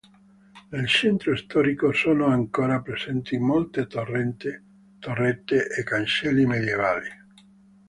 Nel centro storico sono ancora presenti molte torrette e cancelli medioevali.